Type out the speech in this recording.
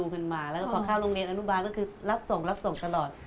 พอเข้าโรงเรียนอนุบาลก็คือรับส่งรับส่งตลอด